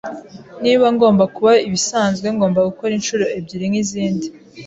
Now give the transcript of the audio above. Niba ngomba kuba ibisanzwe, ngomba gukora inshuro ebyiri nkizindi.